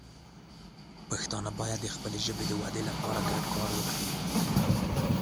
پښتانه باید د خپلې ژبې د وده لپاره ګډ کار وکړي.